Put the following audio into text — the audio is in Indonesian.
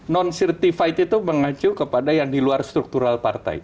non certified itu mengacu kepada yang di luar struktural partai